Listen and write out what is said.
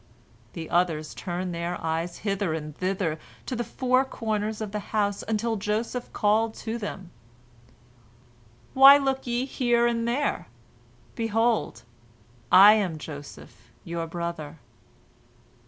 The others turned their eyes hither and thither, to the four corners of the house, until Joseph called to them: "Why look ye here and there? Behold, I am Joseph your brother!